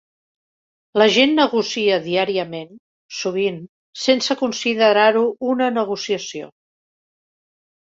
La gent negocia diàriament, sovint sense considerar-ho una negociació.